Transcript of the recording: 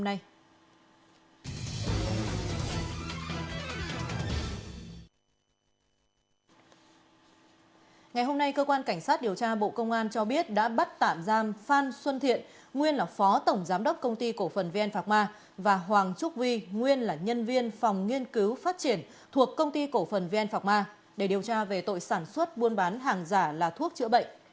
ngày hôm nay cơ quan cảnh sát điều tra bộ công an cho biết đã bắt tạm giam phan xuân thiện nguyên là phó tổng giám đốc công ty cổ phần vn phạc ma và hoàng trúc vi nguyên là nhân viên phòng nghiên cứu phát triển thuộc công ty cổ phần vn phạc ma để điều tra về tội sản xuất buôn bán hàng giả là thuốc chữa bệnh